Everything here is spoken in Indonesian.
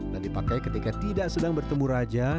dan dipakai ketika tidak sedang bertemu raja